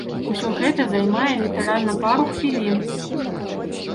Усё гэта займае літаральна пару хвілін.